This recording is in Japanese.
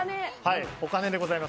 お金でございます。